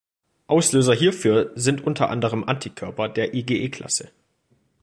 Auslöser hierfür sind unter anderem Antikörper der IgE-Klasse.